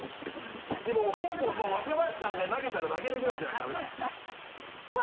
でももうポンポン若林さんが投げたら投げるぐらいじゃないとダメだなわぁすごい！